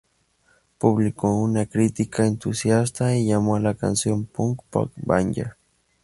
Publicó una crítica entusiasta y llamó a la canción "punk pop banger".